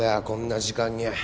こんな時間に。